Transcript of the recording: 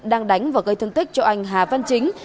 đang đánh và gây thương tích cho anh hà văn chính